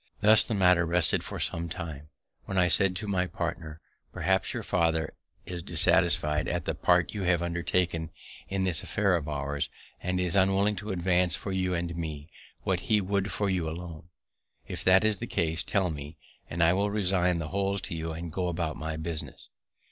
Thus the matter rested for some time, when I said to my partner, "Perhaps your father is dissatisfied at the part you have undertaken in this affair of ours, and is unwilling to advance for you and me what he would for you alone. If that is the case, tell me, and I will resign the whole to you, and go about my business."